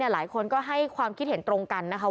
หลายคนก็ให้ความคิดเห็นตรงกันนะคะ